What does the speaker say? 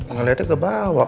ngeliatnya ke bawah